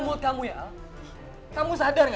ibu pikir aja dong